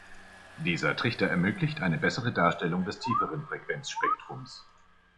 Dieser Trichter ermöglicht eine bessere Darstellung des tieferen Frequenzspektrums.